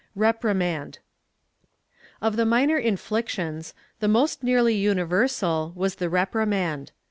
REPRIMAND. Of the minor inflictions, the most nearly universal was the reprimand.